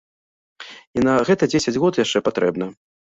А на гэта дзесяць год яшчэ патрэбна.